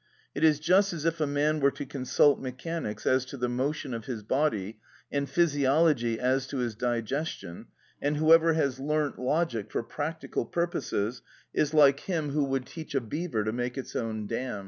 It is just as if a man were to consult mechanics as to the motion of his body, and physiology as to his digestion; and whoever has learnt logic for practical purposes is like him who would teach a beaver to make its own dam.